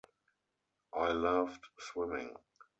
I loved swimming.